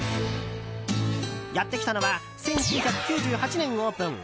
やってきたのは１９９８年オープン